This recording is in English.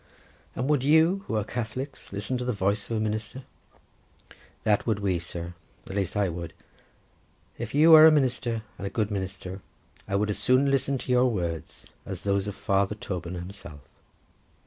"And would you, who are Catholics, listen to the voice of a minister?" "That would we, sir; at least I would. If you are a minister, and a good minister, I would as soon listen to your words as those of Father Toban himself."